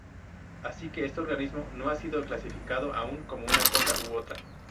Así que este organismo no ha sido clasificado aún como una cosa u otra.